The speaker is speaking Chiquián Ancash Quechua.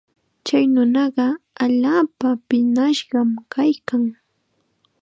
Chay nunaqa allaapa piñashqam kaykan.